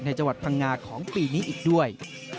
จังหวัดพังงาของปีนี้อีกด้วย